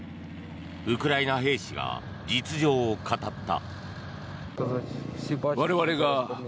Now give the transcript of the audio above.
ウクライナ兵士が実情を語った。